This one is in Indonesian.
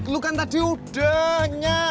lu kan tadi udah nyak